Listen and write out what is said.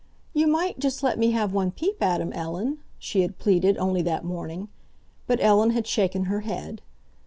"You might just let me have one peep at him, Ellen?" she had pleaded, only that morning. But Ellen had shaken her head.